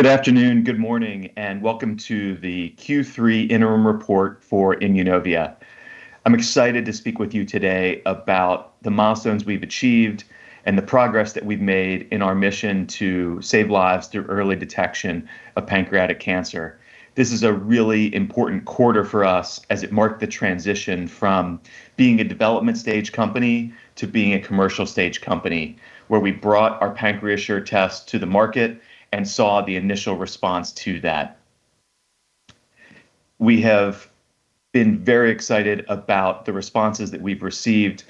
Good afternoon, good morning, and welcome to the Q3 Interim Report for Immunovia. I'm excited to speak with you today about the milestones we've achieved and the progress that we've made in our mission to save lives through early detection of pancreatic cancer. This is a really important quarter for us as it marked the transition from being a development stage company to being a commercial stage company, where we brought our PancreaSure test to the market and saw the initial response to that. We have been very excited about the responses that we've received.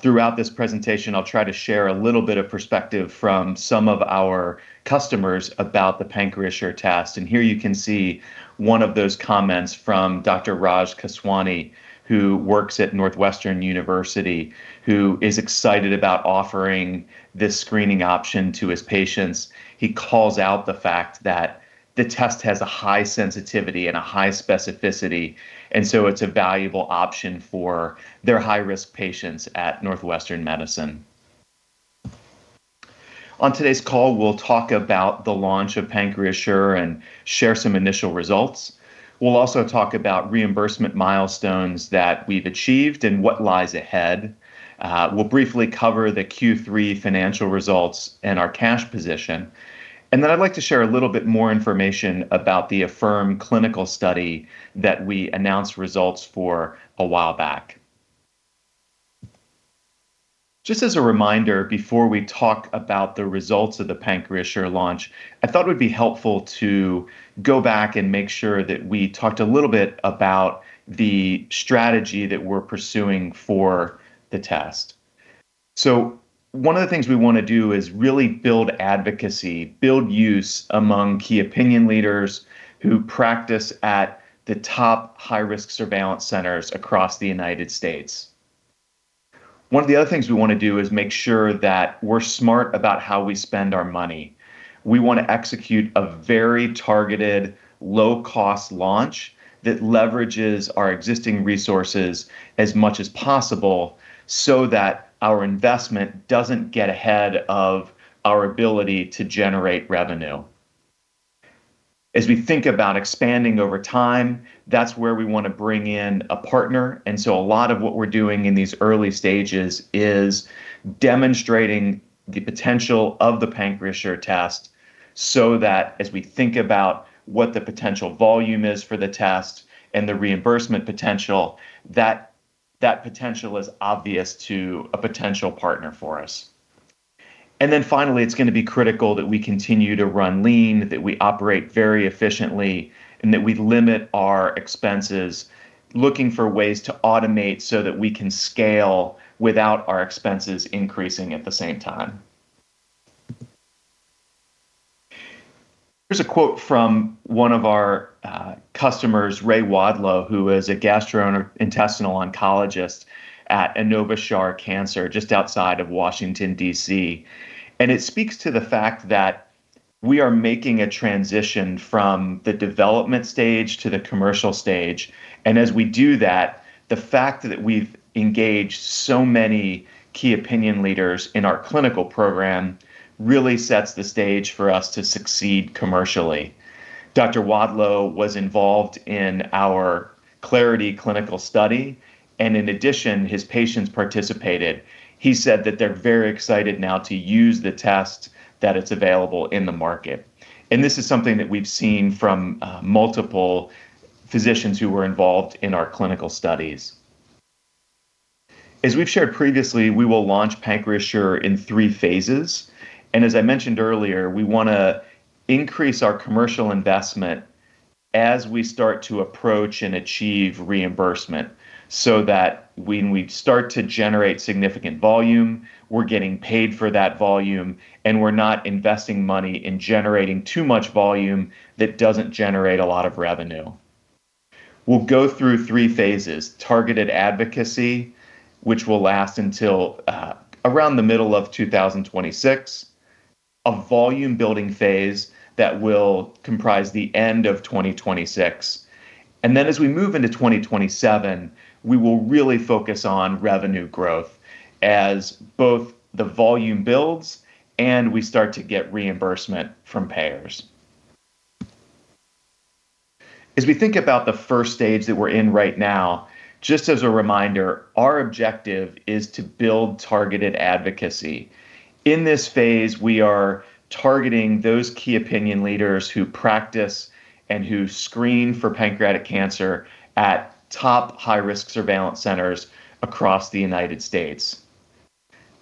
Throughout this presentation, I'll try to share a little bit of perspective from some of our customers about the PancreaSure test. Here you can see one of those comments from Dr. Raj Kaswani, who works at Northwestern Medicine, who is excited about offering this screening option to his patients. He calls out the fact that the test has a high sensitivity and a high specificity, and so it's a valuable option for their high-risk patients at Northwestern Medicine. On today's call, we'll talk about the launch of PancreaSure and share some initial results. We'll also talk about reimbursement milestones that we've achieved and what lies ahead. We'll briefly cover the Q3 financial results and our cash position. I would like to share a little bit more information about the AFIRM clinical study that we announced results for a while back. Just as a reminder, before we talk about the results of the PancreaSure launch, I thought it would be helpful to go back and make sure that we talked a little bit about the strategy that we're pursuing for the test. One of the things we want to do is really build advocacy, build use among key opinion leaders who practice at the top high-risk surveillance centers across the United States. One of the other things we want to do is make sure that we're smart about how we spend our money. We want to execute a very targeted, low-cost launch that leverages our existing resources as much as possible so that our investment doesn't get ahead of our ability to generate revenue. As we think about expanding over time, that's where we want to bring in a partner. A lot of what we're doing in these early stages is demonstrating the potential of the PancreaSure test so that as we think about what the potential volume is for the test and the reimbursement potential, that potential is obvious to a potential partner for us. It is going to be critical that we continue to run lean, that we operate very efficiently, and that we limit our expenses, looking for ways to automate so that we can scale without our expenses increasing at the same time. Here is a quote from one of our customers, Ray Wadlow, who is a gastrointestinal oncologist at Inova Schar Cancer, just outside of Washington, DC. It speaks to the fact that we are making a transition from the development stage to the commercial stage. As we do that, the fact that we have engaged so many key opinion leaders in our clinical program really sets the stage for us to succeed commercially. Dr. Wadlow was involved in our CLARITY clinical study, and in addition, his patients participated. He said that they are very excited now to use the test that is available in the market. This is something that we've seen from multiple physicians who were involved in our clinical studies. As we've shared previously, we will launch PancreaSure in three phases. As I mentioned earlier, we want to increase our commercial investment as we start to approach and achieve reimbursement so that when we start to generate significant volume, we're getting paid for that volume, and we're not investing money in generating too much volume that doesn't generate a lot of revenue. We'll go through three phases: targeted advocacy, which will last until around the middle of 2026, a volume-building phase that will comprise the end of 2026, and then as we move into 2027, we will really focus on revenue growth as both the volume builds and we start to get reimbursement from payers. As we think about the first stage that we're in right now, just as a reminder, our objective is to build targeted advocacy. In this phase, we are targeting those key opinion leaders who practice and who screen for pancreatic cancer at top high-risk surveillance centers across the United States.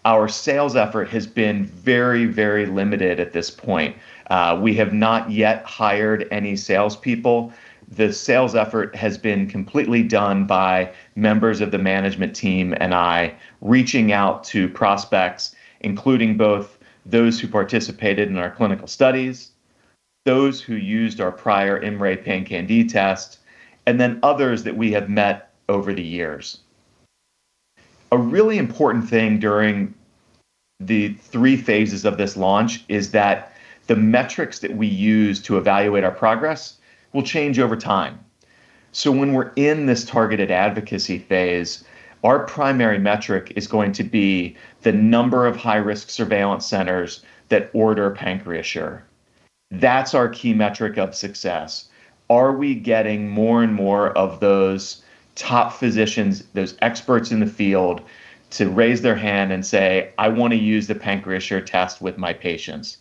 Our sales effort has been very, very limited at this point. We have not yet hired any salespeople. The sales effort has been completely done by members of the management team and I reaching out to prospects, including both those who participated in our clinical studies, those who used our prior IMMray PanCan-d test, and then others that we have met over the years. A really important thing during the three phases of this launch is that the metrics that we use to evaluate our progress will change over time. When we're in this targeted advocacy phase, our primary metric is going to be the number of high-risk surveillance centers that order PancreaSure. That's our key metric of success. Are we getting more and more of those top physicians, those experts in the field, to raise their hand and say, "I want to use the PancreaSure test with my patients"?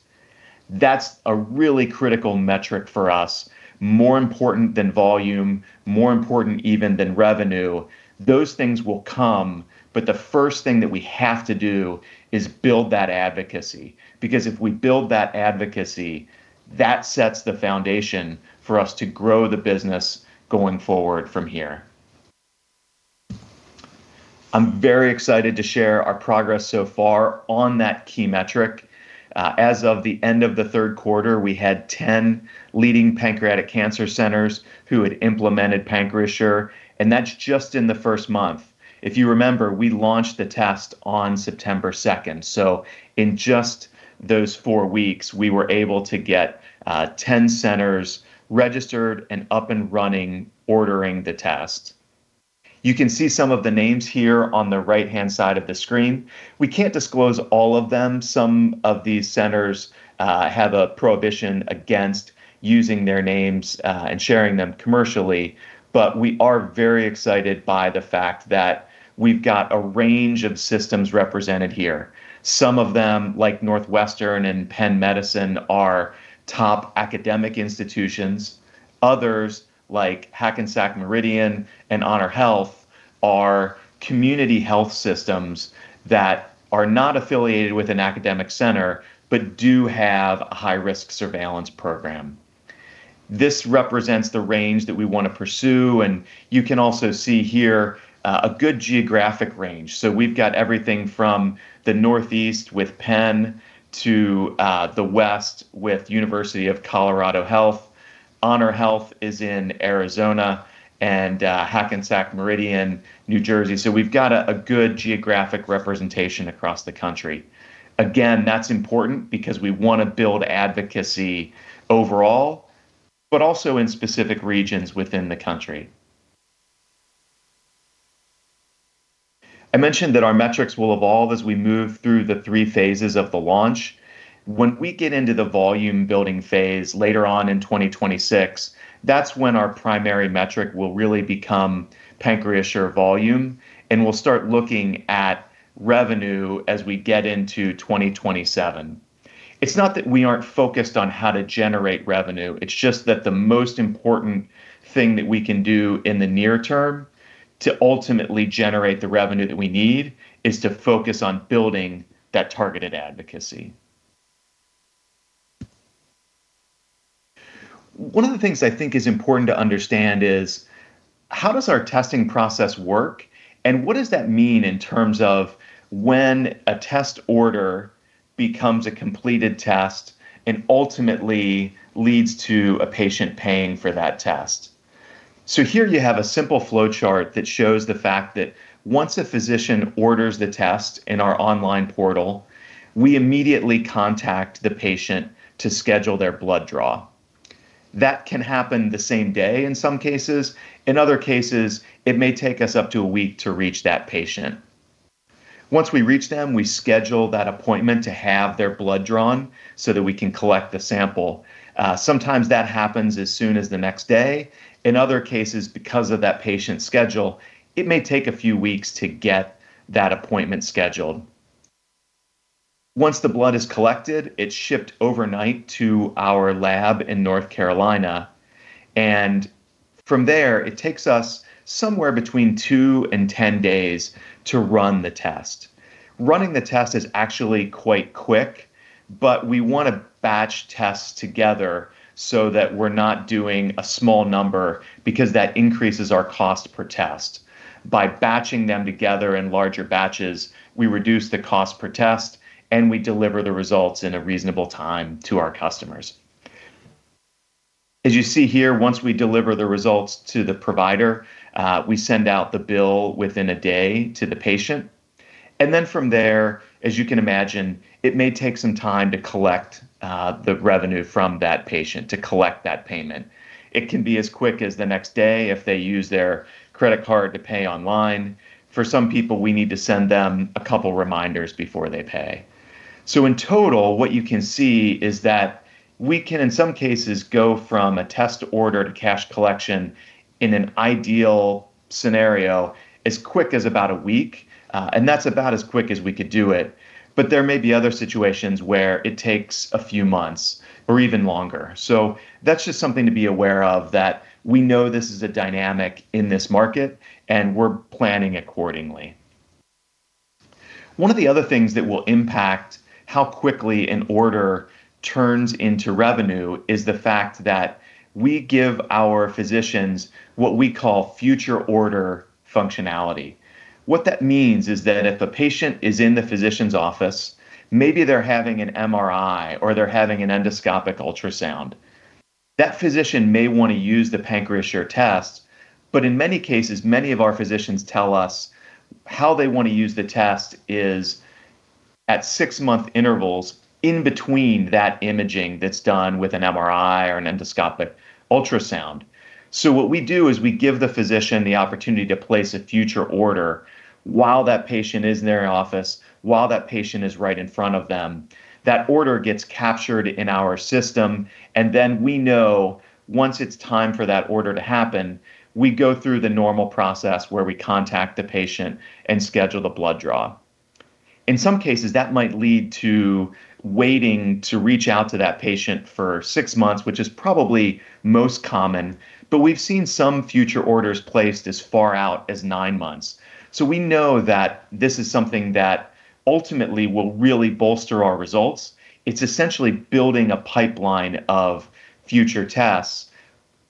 That's a really critical metric for us, more important than volume, more important even than revenue. Those things will come, but the first thing that we have to do is build that advocacy. Because if we build that advocacy, that sets the foundation for us to grow the business going forward from here. I'm very excited to share our progress so far on that key metric. As of the end of the third quarter, we had 10 leading pancreatic cancer centers who had implemented PancreaSure, and that's just in the first month. If you remember, we launched the test on September 2nd. In just those four weeks, we were able to get 10 centers registered and up and running ordering the test. You can see some of the names here on the right-hand side of the screen. We can't disclose all of them. Some of these centers have a prohibition against using their names and sharing them commercially, but we are very excited by the fact that we've got a range of systems represented here. Some of them, like Northwestern and Penn Medicine, are top academic institutions. Others, like Hackensack Meridian and Honor Health, are community health systems that are not affiliated with an academic center but do have a high-risk surveillance program. This represents the range that we want to pursue. You can also see here a good geographic range. We have everything from the northeast with Penn to the west with University of Colorado Health. Honor Health is in Arizona and Hackensack Meridian, New Jersey. We have a good geographic representation across the country. That is important because we want to build advocacy overall, but also in specific regions within the country. I mentioned that our metrics will evolve as we move through the three phases of the launch. When we get into the volume-building phase later on in 2026, that is when our primary metric will really become PancreaSure volume, and we will start looking at revenue as we get into 2027. It is not that we are not focused on how to generate revenue. It's just that the most important thing that we can do in the near term to ultimately generate the revenue that we need is to focus on building that targeted advocacy. One of the things I think is important to understand is how does our testing process work, and what does that mean in terms of when a test order becomes a completed test and ultimately leads to a patient paying for that test? Here you have a simple flow chart that shows the fact that once a physician orders the test in our online portal, we immediately contact the patient to schedule their blood draw. That can happen the same day in some cases. In other cases, it may take us up to a week to reach that patient. Once we reach them, we schedule that appointment to have their blood drawn so that we can collect the sample. Sometimes that happens as soon as the next day. In other cases, because of that patient's schedule, it may take a few weeks to get that appointment scheduled. Once the blood is collected, it's shipped overnight to our lab in North Carolina. From there, it takes us somewhere between 2 and 10 days to run the test. Running the test is actually quite quick, but we want to batch tests together so that we're not doing a small number because that increases our cost per test. By batching them together in larger batches, we reduce the cost per test, and we deliver the results in a reasonable time to our customers. As you see here, once we deliver the results to the provider, we send out the bill within a day to the patient. From there, as you can imagine, it may take some time to collect the revenue from that patient to collect that payment. It can be as quick as the next day if they use their credit card to pay online. For some people, we need to send them a couple of reminders before they pay. In total, what you can see is that we can, in some cases, go from a test order to cash collection in an ideal scenario as quick as about a week. That is about as quick as we could do it. There may be other situations where it takes a few months or even longer. That is just something to be aware of that we know this is a dynamic in this market, and we are planning accordingly. One of the other things that will impact how quickly an order turns into revenue is the fact that we give our physicians what we call future order functionality. What that means is that if a patient is in the physician's office, maybe they are having an MRI or they are having an endoscopic ultrasound, that physician may want to use the PancreaSure test. In many cases, many of our physicians tell us how they want to use the test is at six-month intervals in between that imaging that is done with an MRI or an endoscopic ultrasound. What we do is we give the physician the opportunity to place a future order while that patient is in their office, while that patient is right in front of them. That order gets captured in our system, and then we know once it's time for that order to happen, we go through the normal process where we contact the patient and schedule the blood draw. In some cases, that might lead to waiting to reach out to that patient for six months, which is probably most common. We've seen some future orders placed as far out as nine months. We know that this is something that ultimately will really bolster our results. It's essentially building a pipeline of future tests.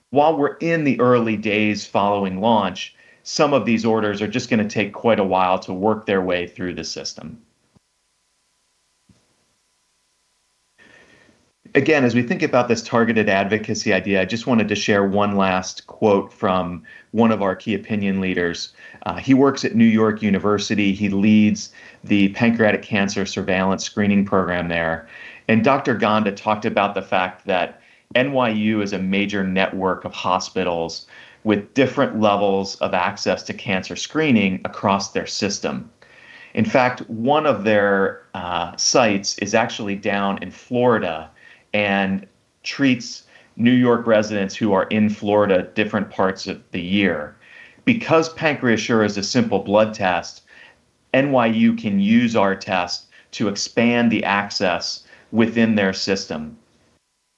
While we're in the early days following launch, some of these orders are just going to take quite a while to work their way through the system. Again, as we think about this targeted advocacy idea, I just wanted to share one last quote from one of our key opinion leaders. He works at New York University. He leads the pancreatic cancer surveillance screening program there. Dr. Gonda talked about the fact that NYU is a major network of hospitals with different levels of access to cancer screening across their system. In fact, one of their sites is actually down in Florida and treats New York residents who are in Florida different parts of the year. Because PancreaSure is a simple blood test, NYU can use our test to expand the access within their system.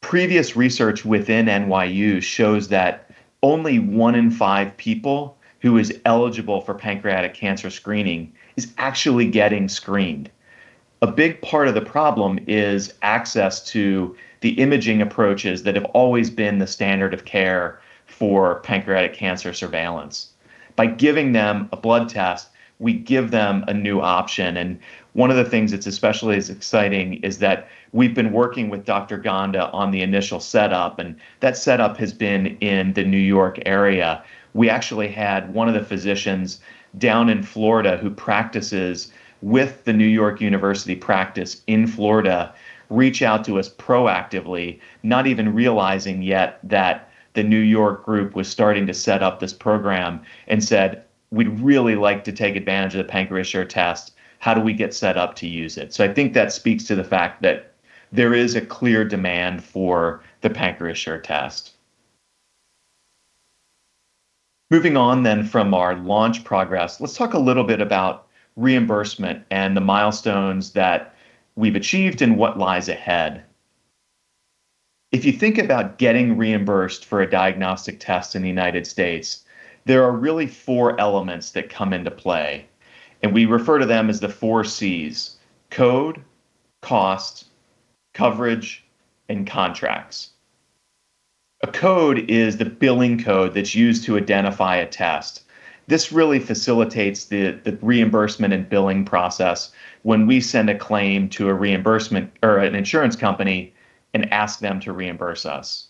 Previous research within NYU shows that only one in five people who is eligible for pancreatic cancer screening is actually getting screened. A big part of the problem is access to the imaging approaches that have always been the standard of care for pancreatic cancer surveillance. By giving them a blood test, we give them a new option. One of the things that's especially exciting is that we've been working with Dr. Gonda on the initial setup, and that setup has been in the New York area. We actually had one of the physicians down in Florida who practices with the New York University practice in Florida reach out to us proactively, not even realizing yet that the New York group was starting to set up this program, and said, "We'd really like to take advantage of the PancreaSure test. How do we get set up to use it?" I think that speaks to the fact that there is a clear demand for the PancreaSure test. Moving on from our launch progress, let's talk a little bit about reimbursement and the milestones that we've achieved and what lies ahead. If you think about getting reimbursed for a diagnostic test in the United States, there are really four elements that come into play. We refer to them as the four C's: code, cost, coverage, and contracts. A code is the billing code that's used to identify a test. This really facilitates the reimbursement and billing process when we send a claim to an insurance company and ask them to reimburse us.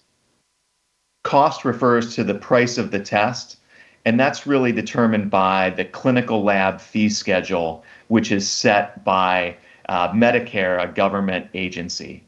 Cost refers to the price of the test, and that's really determined by the clinical lab fee schedule, which is set by Medicare, a government agency.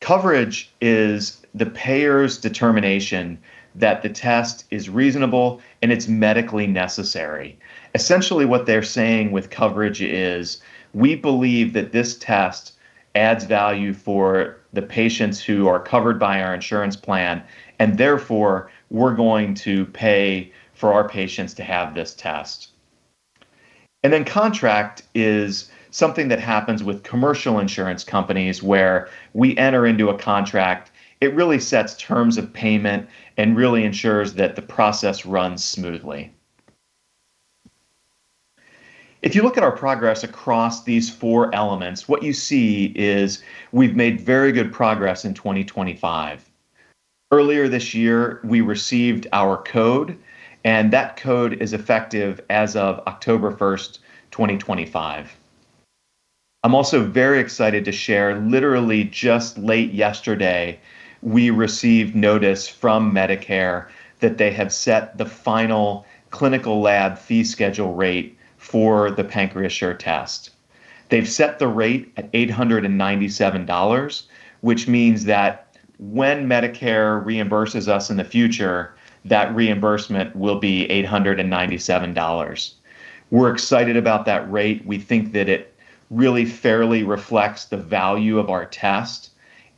Coverage is the payer's determination that the test is reasonable and it's medically necessary. Essentially, what they're saying with coverage is, "We believe that this test adds value for the patients who are covered by our insurance plan, and therefore we're going to pay for our patients to have this test." Contract is something that happens with commercial insurance companies where we enter into a contract. It really sets terms of payment and really ensures that the process runs smoothly. If you look at our progress across these four elements, what you see is we've made very good progress in 2025. Earlier this year, we received our code, and that code is effective as of October 1, 2025. I'm also very excited to share literally just late yesterday, we received notice from Medicare that they have set the final clinical lab fee schedule rate for the PancreaSure test. They've set the rate at $897, which means that when Medicare reimburses us in the future, that reimbursement will be $897. We're excited about that rate. We think that it really fairly reflects the value of our test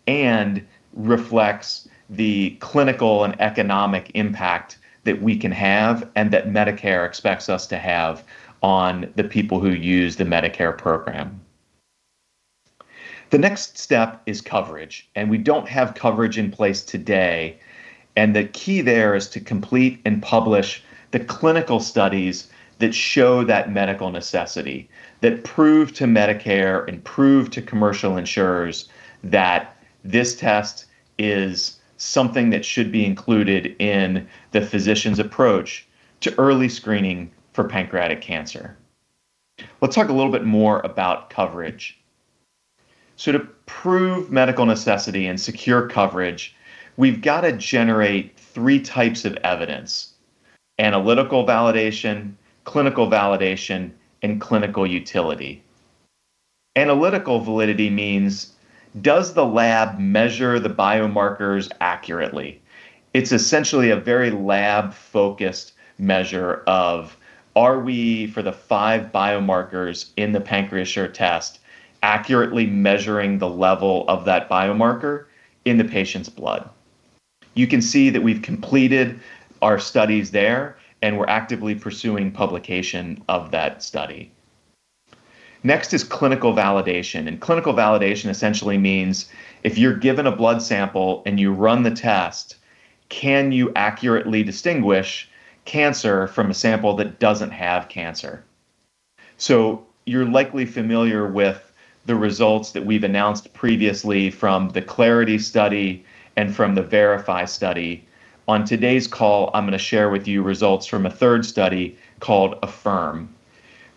and reflects the clinical and economic impact that we can have and that Medicare expects us to have on the people who use the Medicare program. The next step is coverage. We don't have coverage in place today. The key there is to complete and publish the clinical studies that show that medical necessity, that prove to Medicare and prove to commercial insurers that this test is something that should be included in the physician's approach to early screening for pancreatic cancer. Let's talk a little bit more about coverage. To prove medical necessity and secure coverage, we've got to generate three types of evidence: analytical validation, clinical validation, and clinical utility. Analytical validity means does the lab measure the biomarkers accurately? It's essentially a very lab-focused measure of are we, for the five biomarkers in the PancreaSure test, accurately measuring the level of that biomarker in the patient's blood? You can see that we've completed our studies there, and we're actively pursuing publication of that study. Next is clinical validation. Clinical validation essentially means if you're given a blood sample and you run the test, can you accurately distinguish cancer from a sample that doesn't have cancer? You're likely familiar with the results that we've announced previously from the CLARITY study and from the VERIFY study. On today's call, I'm going to share with you results from a third study called AFIRM.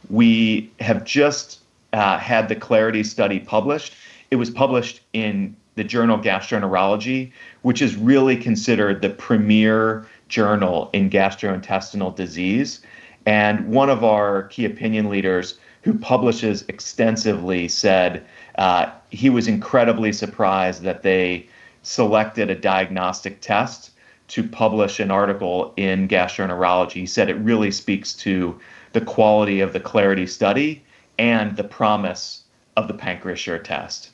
We have just had the CLARITY study published. It was published in the Journal of Gastroenterology, which is really considered the premier journal in gastrointestinal disease. One of our key opinion leaders who publishes extensively said he was incredibly surprised that they selected a diagnostic test to publish an article in Gastroenterology. He said it really speaks to the quality of the CLARITY study and the promise of the PancreaSure test.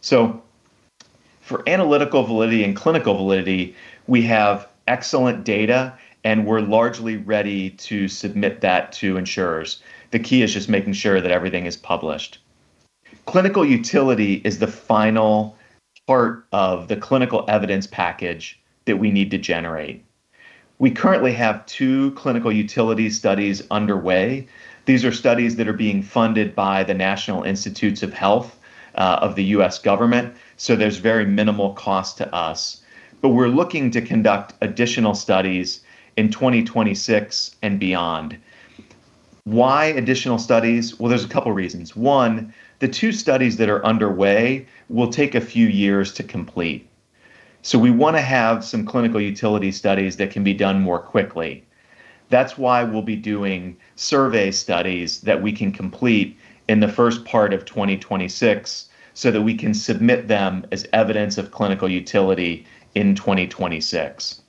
For analytical validity and clinical validity, we have excellent data, and we're largely ready to submit that to insurers. The key is just making sure that everything is published. Clinical utility is the final part of the clinical evidence package that we need to generate. We currently have two clinical utility studies underway. These are studies that are being funded by the National Institutes of Health of the US government. There is very minimal cost to us. We are looking to conduct additional studies in 2026 and beyond. Why additional studies? There are a couple of reasons. One, the two studies that are underway will take a few years to complete. We want to have some clinical utility studies that can be done more quickly. That's why we'll be doing survey studies that we can complete in the first part of 2026 so that we can submit them as evidence of clinical utility in 2026.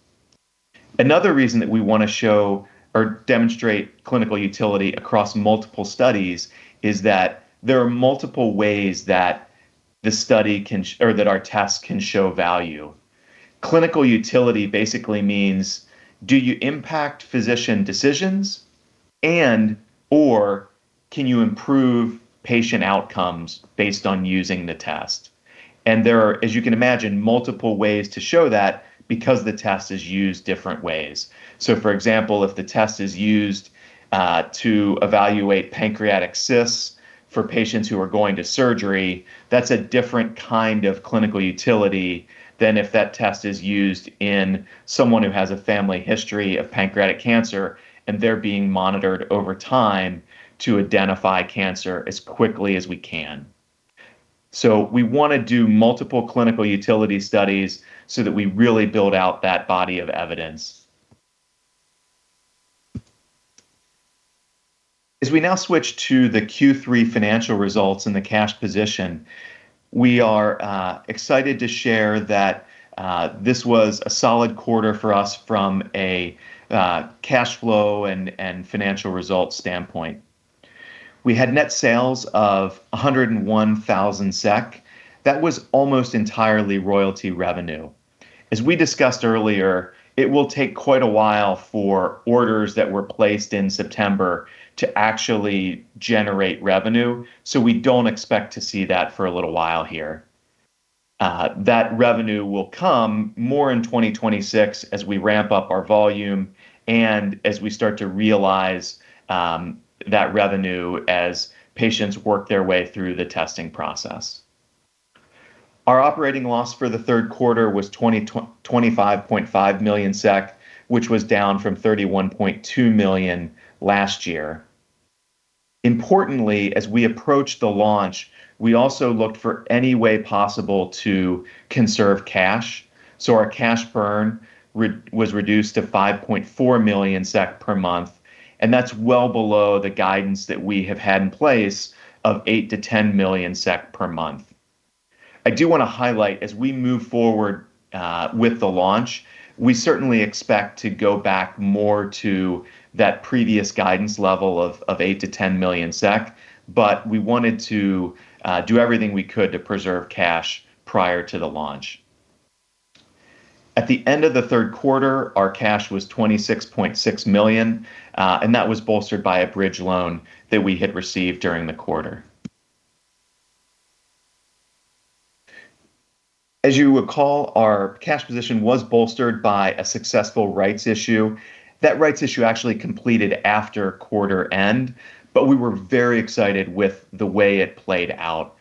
Another reason that we want to show or demonstrate clinical utility across multiple studies is that there are multiple ways that the study can or that our test can show value. Clinical utility basically means do you impact physician decisions and/or can you improve patient outcomes based on using the test? There are, as you can imagine, multiple ways to show that because the test is used different ways. For example, if the test is used to evaluate pancreatic cysts for patients who are going to surgery, that's a different kind of clinical utility than if that test is used in someone who has a family history of pancreatic cancer and they're being monitored over time to identify cancer as quickly as we can. We want to do multiple clinical utility studies so that we really build out that body of evidence. As we now switch to the Q3 financial results and the cash position, we are excited to share that this was a solid quarter for us from a cash flow and financial results standpoint. We had net sales of 101,000 SEK. That was almost entirely royalty revenue. As we discussed earlier, it will take quite a while for orders that were placed in September to actually generate revenue. We do not expect to see that for a little while here. That revenue will come more in 2026 as we ramp up our volume and as we start to realize that revenue as patients work their way through the testing process. Our operating loss for the third quarter was 25.5 million SEK, which was down from 31.2 million last year. Importantly, as we approached the launch, we also looked for any way possible to conserve cash. Our cash burn was reduced to 5.4 million SEK per month. That is well below the guidance that we have had in place of 8-10 million SEK per month. I do want to highlight, as we move forward with the launch, we certainly expect to go back more to that previous guidance level of 8-10 million SEK, but we wanted to do everything we could to preserve cash prior to the launch. At the end of the third quarter, our cash was 26.6 million, and that was bolstered by a bridge loan that we had received during the quarter. As you recall, our cash position was bolstered by a successful rights issue. That rights issue actually completed after quarter end, but we were very excited with the way it played out.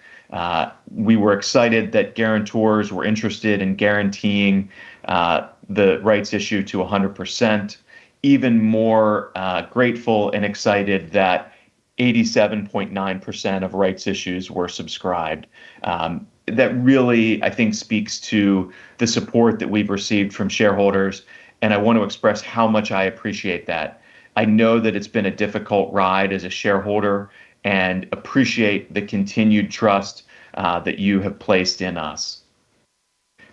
We were excited that guarantors were interested in guaranteeing the rights issue to 100%. Even more grateful and excited that 87.9% of rights issues were subscribed. That really, I think, speaks to the support that we've received from shareholders. I want to express how much I appreciate that. I know that it's been a difficult ride as a shareholder and appreciate the continued trust that you have placed in us.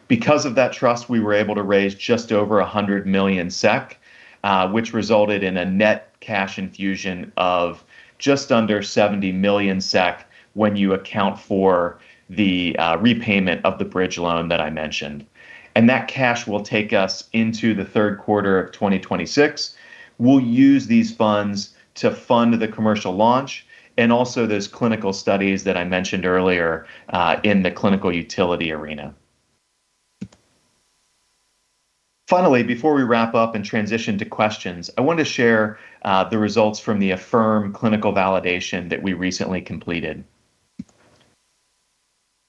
Because of that trust, we were able to raise just over 100 million SEK, which resulted in a net cash infusion of just under 70 million SEK when you account for the repayment of the bridge loan that I mentioned. That cash will take us into the third quarter of 2026. We'll use these funds to fund the commercial launch and also those clinical studies that I mentioned earlier in the clinical utility arena. Finally, before we wrap up and transition to questions, I want to share the results from the AFIRM clinical validation that we recently completed.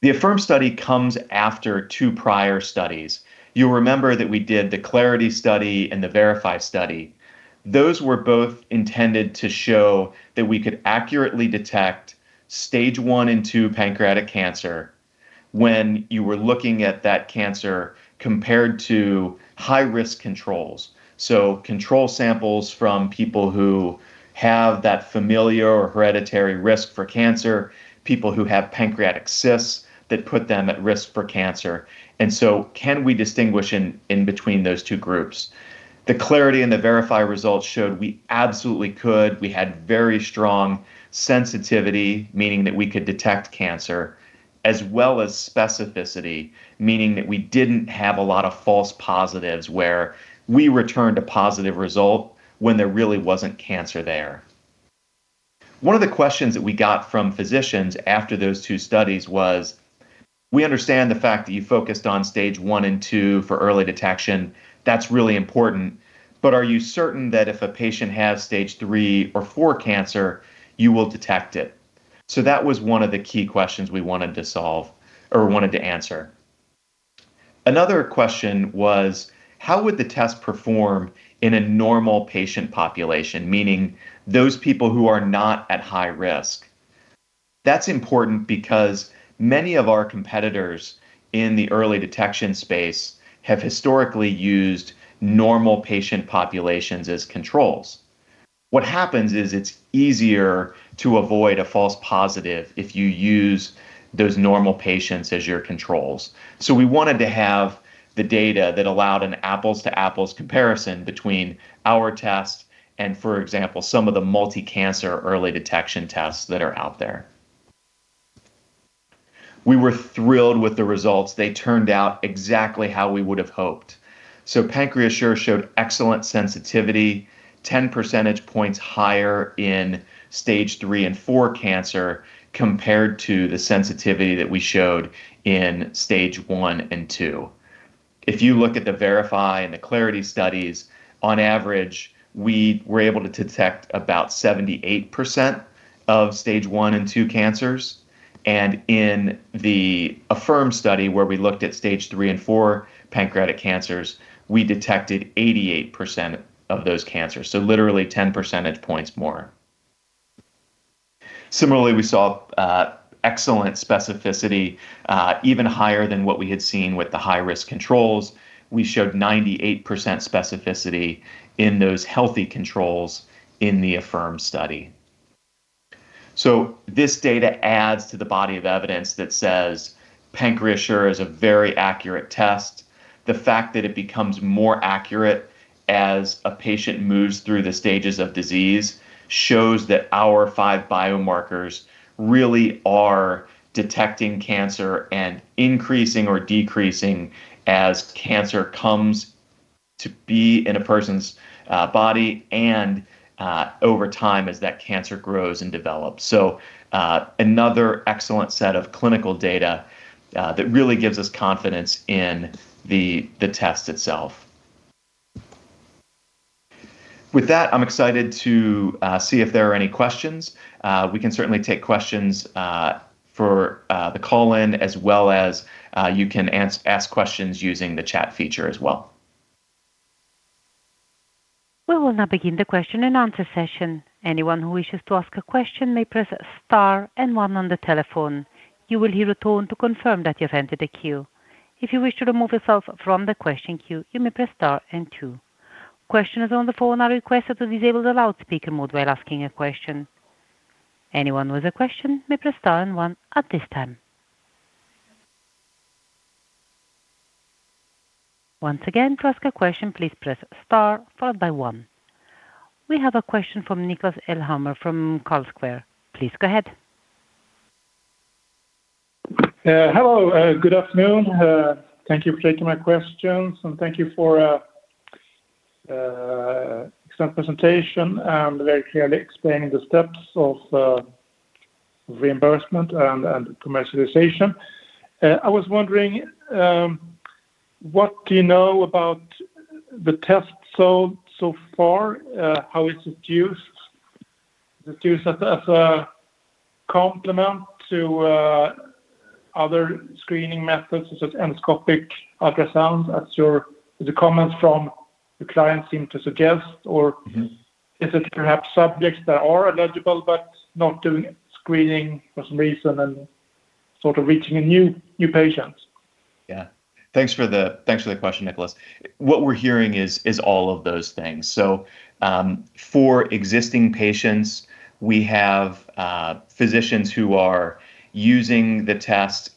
The AFIRM study comes after two prior studies. You'll remember that we did the CLARITY study and the VERIFY study. Those were both intended to show that we could accurately detect stage one and two pancreatic cancer when you were looking at that cancer compared to high-risk controls. Control samples from people who have that familial or hereditary risk for cancer, people who have pancreatic cysts that put them at risk for cancer. Can we distinguish in between those two groups? The CLARITY and the VERIFY results showed we absolutely could. We had very strong sensitivity, meaning that we could detect cancer, as well as specificity, meaning that we did not have a lot of false positives where we returned a positive result when there really was not cancer there. One of the questions that we got from physicians after those two studies was, "We understand the fact that you focused on stage one and two for early detection. That's really important. But are you certain that if a patient has stage three or four cancer, you will detect it?" That was one of the key questions we wanted to solve or wanted to answer. Another question was, "How would the test perform in a normal patient population, meaning those people who are not at high risk?" That's important because many of our competitors in the early detection space have historically used normal patient populations as controls. What happens is it's easier to avoid a false positive if you use those normal patients as your controls. We wanted to have the data that allowed an apples-to-apples comparison between our test and, for example, some of the multi-cancer early detection tests that are out there. We were thrilled with the results. They turned out exactly how we would have hoped. PancreaSure showed excellent sensitivity, 10 percentage points higher in stage three and four cancer compared to the sensitivity that we showed in stage one and two. If you look at the VERIFY and the CLARITY studies, on average, we were able to detect about 78% of stage one and two cancers. In the AFIRM study where we looked at stage three and four pancreatic cancers, we detected 88% of those cancers, so literally 10 percentage points more. Similarly, we saw excellent specificity, even higher than what we had seen with the high-risk controls. We showed 98% specificity in those healthy controls in the AFIRM study. This data adds to the body of evidence that says PancreaSure is a very accurate test. The fact that it becomes more accurate as a patient moves through the stages of disease shows that our five biomarkers really are detecting cancer and increasing or decreasing as cancer comes to be in a person's body and over time as that cancer grows and develops. Another excellent set of clinical data that really gives us confidence in the test itself. With that, I'm excited to see if there are any questions. We can certainly take questions for the call in, as well as you can ask questions using the chat feature as well. We will now begin the question and answer session. Anyone who wishes to ask a question may press star and one on the telephone. You will hear a tone to confirm that you've entered a queue. If you wish to remove yourself from the question queue, you may press star and two. Questioners on the phone are requested to disable the loudspeaker mode while asking a question. Anyone with a question may press star and one at this time. Once again, to ask a question, please press star followed by one. We have a question from Nicholas Elhammer from Carlsquare. Please go ahead. Hello. Good afternoon. Thank you for taking my questions. Thank you for an excellent presentation and very clearly explaining the steps of reimbursement and commercialization. I was wondering, what do you know about the test so far? How is it used? Is it used as a complement to other screening methods, such as endoscopic ultrasound? The comments from the clients seem to suggest, or is it perhaps subjects that are eligible but not doing screening for some reason and sort of reaching a new patient? Yeah. Thanks for the question, Nicholas. What we're hearing is all of those things. For existing patients, we have physicians who are using the test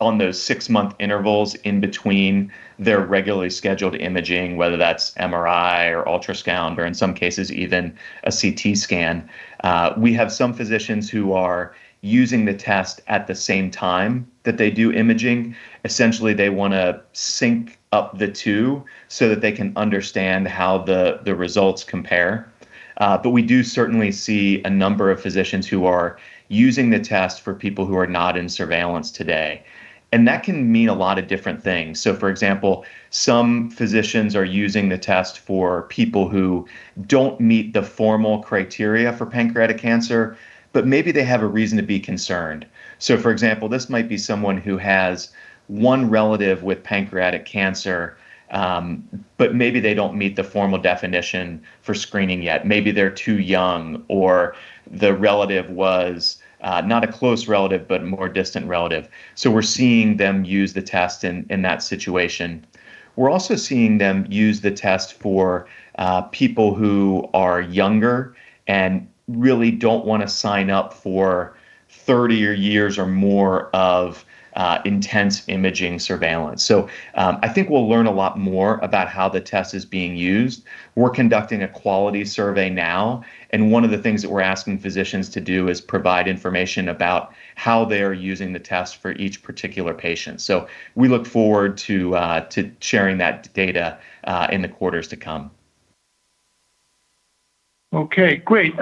on those six-month intervals in between their regularly scheduled imaging, whether that's MRI or ultrasound or, in some cases, even a CT scan. We have some physicians who are using the test at the same time that they do imaging. Essentially, they want to sync up the two so that they can understand how the results compare. We do certainly see a number of physicians who are using the test for people who are not in surveillance today. That can mean a lot of different things. For example, some physicians are using the test for people who do not meet the formal criteria for pancreatic cancer, but maybe they have a reason to be concerned. For example, this might be someone who has one relative with pancreatic cancer, but maybe they don't meet the formal definition for screening yet. Maybe they're too young, or the relative was not a close relative, but a more distant relative. We're seeing them use the test in that situation. We're also seeing them use the test for people who are younger and really don't want to sign up for 30 years or more of intense imaging surveillance. I think we'll learn a lot more about how the test is being used. We're conducting a quality survey now. One of the things that we're asking physicians to do is provide information about how they are using the test for each particular patient. We look forward to sharing that data in the quarters to come. Okay. Great.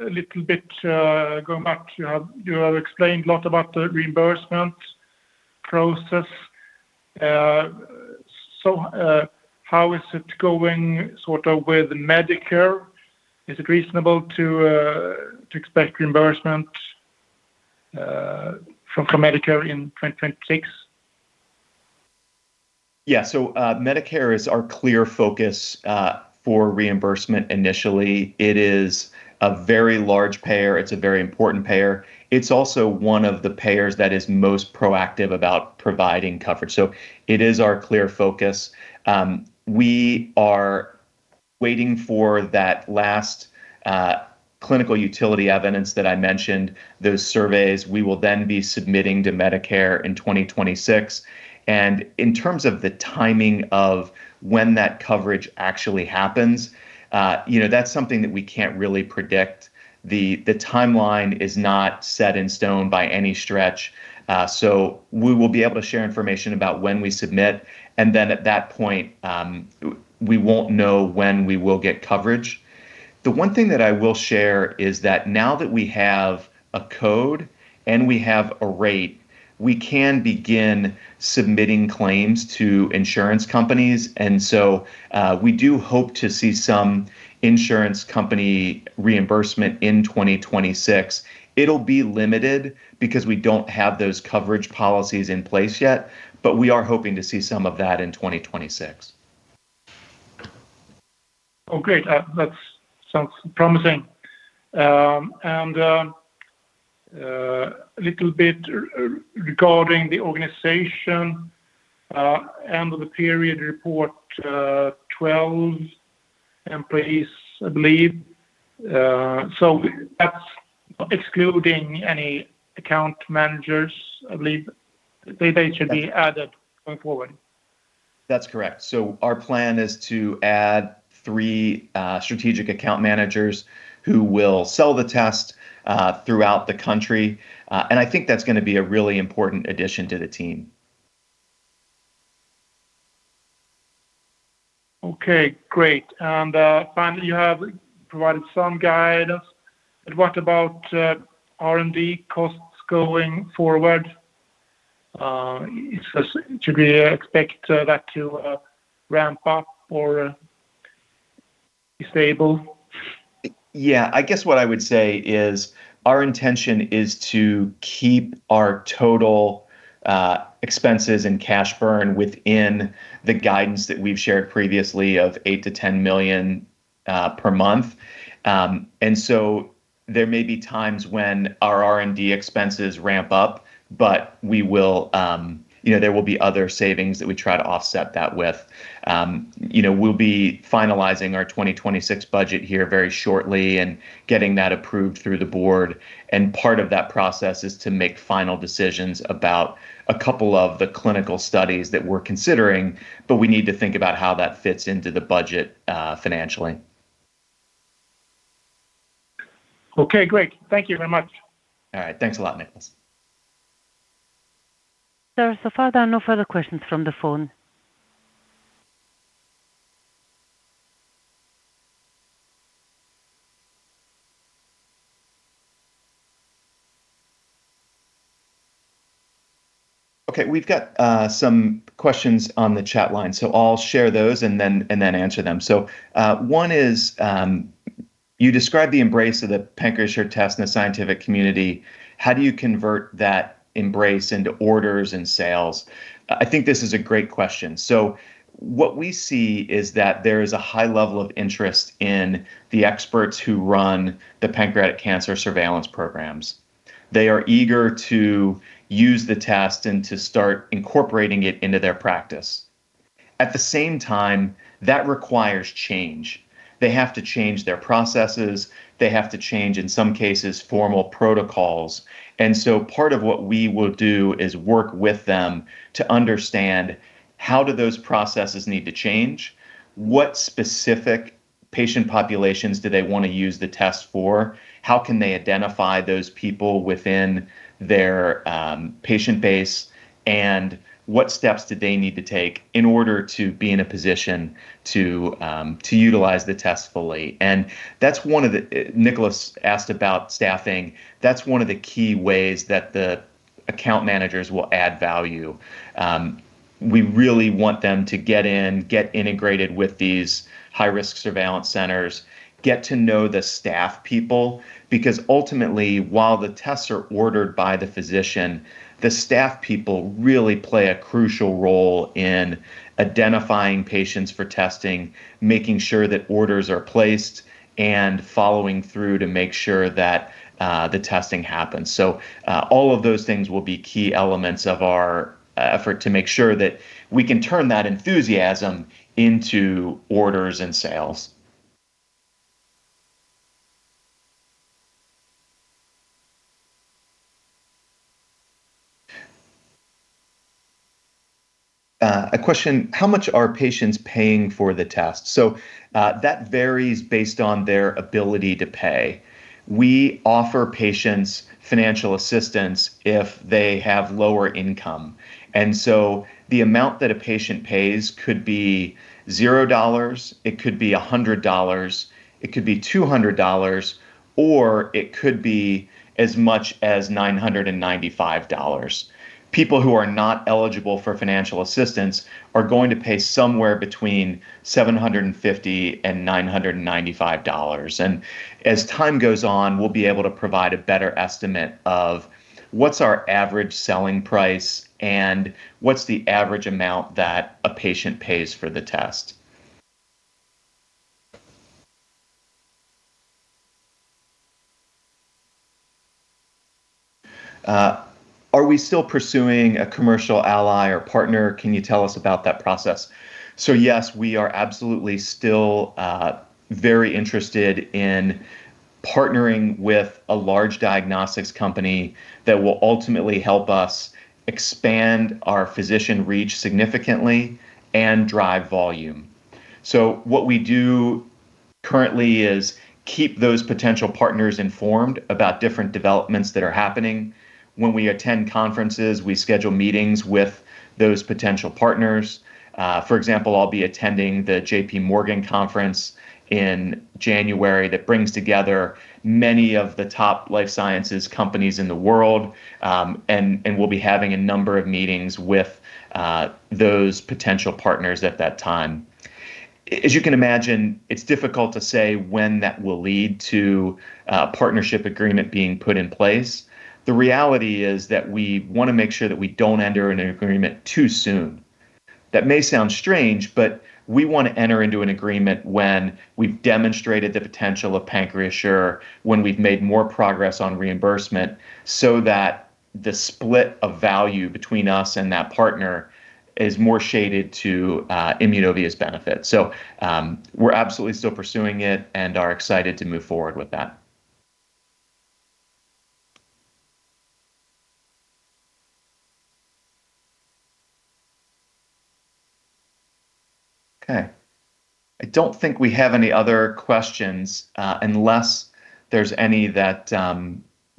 A little bit going back, you have explained a lot about the reimbursement process. How is it going sort of with Medicare? Is it reasonable to expect reimbursement from Medicare in 2026? Yeah. Medicare is our clear focus for reimbursement initially. It is a very large payer. It is a very important payer. It is also one of the payers that is most proactive about providing coverage. It is our clear focus. We are waiting for that last clinical utility evidence that I mentioned, those surveys. We will then be submitting to Medicare in 2026. In terms of the timing of when that coverage actually happens, that is something that we cannot really predict. The timeline is not set in stone by any stretch. We will be able to share information about when we submit. At that point, we will not know when we will get coverage. The one thing that I will share is that now that we have a code and we have a rate, we can begin submitting claims to insurance companies. We do hope to see some insurance company reimbursement in 2026. It'll be limited because we don't have those coverage policies in place yet, but we are hoping to see some of that in 2026. Oh, great. That sounds promising. A little bit regarding the organization, end of the period report, 12 employees, I believe. That's excluding any account managers, I believe. They should be added going forward. That's correct. Our plan is to add three strategic account managers who will sell the test throughout the country. I think that's going to be a really important addition to the team. Okay. Great. Finally, you have provided some guidance. What about R&D costs going forward? Should we expect that to ramp up or be stable? Yeah. I guess what I would say is our intention is to keep our total expenses and cash burn within the guidance that we've shared previously of $8 million-$10 million per month. There may be times when our R&D expenses ramp up, but there will be other savings that we try to offset that with. We'll be finalizing our 2026 budget here very shortly and getting that approved through the board. Part of that process is to make final decisions about a couple of the clinical studies that we're considering, but we need to think about how that fits into the budget financially. Okay. Great. Thank you very much. All right. Thanks a lot, Nicholas. There are no further questions from the phone. Okay. We've got some questions on the chat line. I'll share those and then answer them. One is, you described the embrace of the PancreaSure test in the scientific community. How do you convert that embrace into orders and sales? I think this is a great question. What we see is that there is a high level of interest in the experts who run the pancreatic cancer surveillance programs. They are eager to use the test and to start incorporating it into their practice. At the same time, that requires change. They have to change their processes. They have to change, in some cases, formal protocols. Part of what we will do is work with them to understand how do those processes need to change, what specific patient populations do they want to use the test for, how can they identify those people within their patient base, and what steps do they need to take in order to be in a position to utilize the test fully. That is one of the things Nicholas asked about staffing. That is one of the key ways that the account managers will add value. We really want them to get in, get integrated with these high-risk surveillance centers, get to know the staff people, because ultimately, while the tests are ordered by the physician, the staff people really play a crucial role in identifying patients for testing, making sure that orders are placed, and following through to make sure that the testing happens. All of those things will be key elements of our effort to make sure that we can turn that enthusiasm into orders and sales. A question: how much are patients paying for the test? That varies based on their ability to pay. We offer patients financial assistance if they have lower income. The amount that a patient pays could be $0, it could be $100, it could be $200, or it could be as much as $995. People who are not eligible for financial assistance are going to pay somewhere between $750 and $995. As time goes on, we'll be able to provide a better estimate of what's our average selling price and what's the average amount that a patient pays for the test. Are we still pursuing a commercial ally or partner? Can you tell us about that process? Yes, we are absolutely still very interested in partnering with a large diagnostics company that will ultimately help us expand our physician reach significantly and drive volume. What we do currently is keep those potential partners informed about different developments that are happening. When we attend conferences, we schedule meetings with those potential partners. For example, I'll be attending the JPMorgan conference in January that brings together many of the top life sciences companies in the world. We'll be having a number of meetings with those potential partners at that time. As you can imagine, it's difficult to say when that will lead to a partnership agreement being put in place. The reality is that we want to make sure that we don't enter an agreement too soon. That may sound strange, but we want to enter into an agreement when we've demonstrated the potential of PancreaSure, when we've made more progress on reimbursement, so that the split of value between us and that partner is more shaded to Immunovia's benefits. We are absolutely still pursuing it and are excited to move forward with that. Okay. I don't think we have any other questions unless there's any that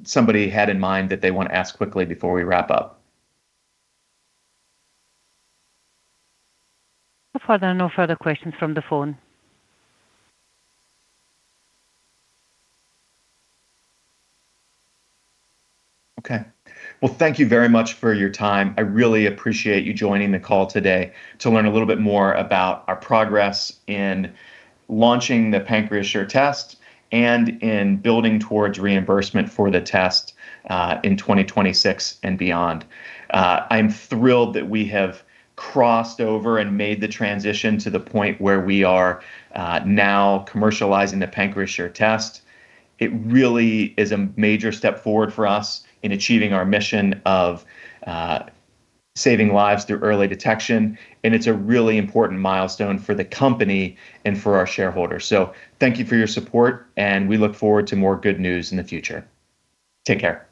somebody had in mind that they want to ask quickly before we wrap up. There are no further questions from the phone. Thank you very much for your time. I really appreciate you joining the call today to learn a little bit more about our progress in launching the PancreaSure test and in building towards reimbursement for the test in 2026 and beyond. I'm thrilled that we have crossed over and made the transition to the point where we are now commercializing the PancreaSure test. It really is a major step forward for us in achieving our mission of saving lives through early detection. It is a really important milestone for the company and for our shareholders. Thank you for your support, and we look forward to more good news in the future. Take care.